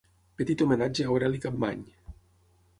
Petit homenatge a Aureli Capmany.